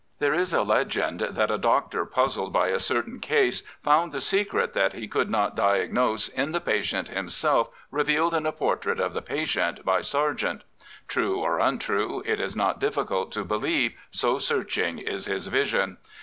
There is a legend that a doctor puzzled by a certain case found the secret that he could not diagnose in the patient himself revealed in a portrait of the patient by Sargent. True or untrue, it is not difficult to believe, so searching is his vision.